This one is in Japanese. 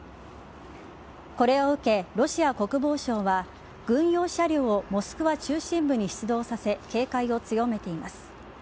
これを受け、ロシア国防省は軍用車両をモスクワ中心部に出動させ警戒を強めています。